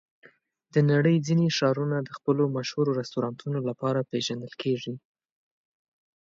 د نړۍ ځینې ښارونه د خپلو مشهور رستورانتونو لپاره پېژندل کېږي.